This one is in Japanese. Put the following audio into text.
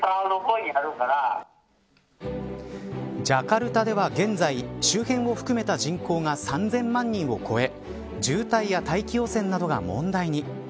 ジャカルタでは、現在周辺を含めた人口が３０００万人を超え渋滞や大気汚染などが問題に。